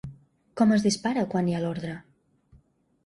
Com es dispara, quan hi ha l’ordre?